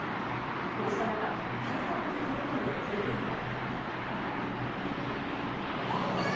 こうした中対策に取り組む保育園も。